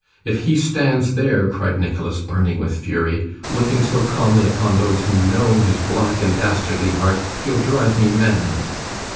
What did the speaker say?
If he stands there,' cried Nicholas, burning with fury, 'looking so calmly upon those who know his black and dastardly heart, he'll drive me mad.